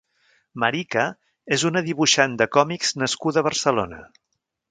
Marika és una dibuixant de còmics nascuda a Barcelona.